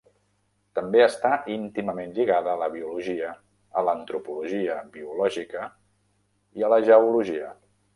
També està íntimament lligada a la biologia, a l'antropologia biològica i a la geologia.